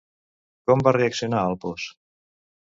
Com va reaccionar Alpos?